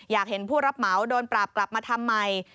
อยากเห็นผู้รับเหมาโดนปราบกลับมาทำไม